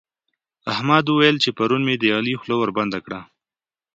احمد ويل چې پرون مې د علي خوله وربنده کړه.